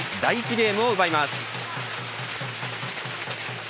ゲームを奪います。